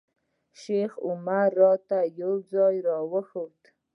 شیخ عمر راته یو ځای راوښود.